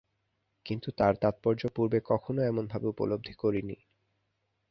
কিন্তু তার তাৎপর্য পূর্বে কখনও এমন ভাবে উপলব্ধি করিনি।